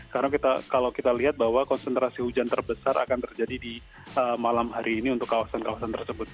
karena kalau kita lihat bahwa konsentrasi hujan terbesar akan terjadi di malam hari ini untuk kawasan kawasan tersebut